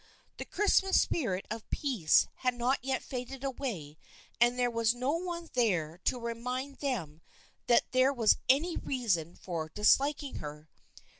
The Christmas spirit of peace had not yet faded away and there was no one there to remind them that there was any reason for dislik ing her.